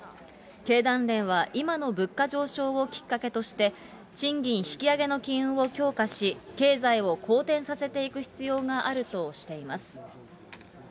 経団連は今の物価上昇をきっかけとして、賃金引き上げの機運を強化し、経済を好転させていく必要があるとしています。